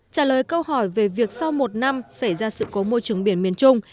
trả lời câu hỏi về việc sau một năm xảy ra sự cố môi trường biển miền trung